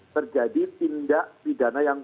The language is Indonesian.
terjadi tindak pidana yang